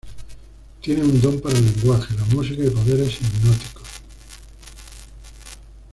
Tiene un don para el lenguaje, la música y poderes hipnóticos.